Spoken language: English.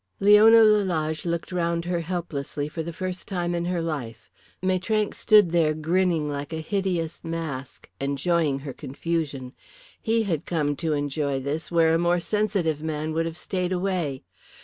Leona Lalage looked round her helplessly for the first time in her life. Maitrank stood there grinning like a hideous mask enjoying her confusion. He had come to enjoy this where a more sensitive man would have stayed away.